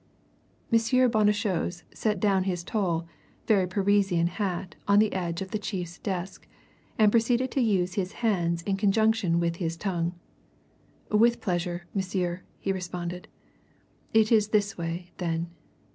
M. Bonnechose set down his tall, very Parisian hat on the edge of the chief's desk, and proceeded to use his hands in conjunction with his tongue. "With pleasure, monsieur," he responded. "It is this way, then.